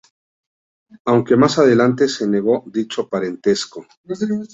Aunque más adelante, se negó dicho parentesco.